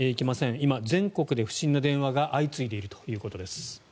今、全国で不審な電話が相次いでいるということです。